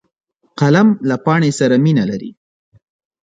قلم له پاڼې سره مینه لري